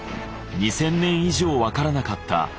２，０００年以上分からなかった